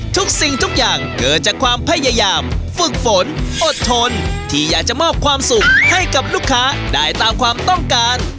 ทุกสิ่งทุกอย่างเกิดจากความพยายามฝึกฝนอดทนที่อยากจะมอบความสุขให้กับลูกค้าได้ตามความต้องการ